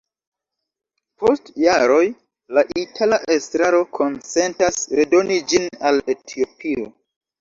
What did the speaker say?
Post jaroj, la itala estraro konsentas redoni ĝin al Etiopio.